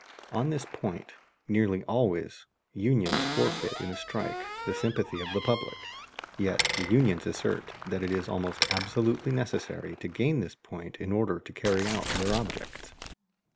On this point, nearly always, unions forfeit in a strike the sympathy of the public; yet the unions assert that it is almost absolutely necessary to gain this point in order to carry out their objects.